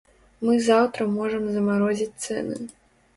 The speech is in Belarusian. Мы заўтра можам замарозіць цэны.